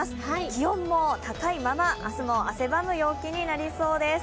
気温も高いまま、明日も汗ばむ陽気になりそうです。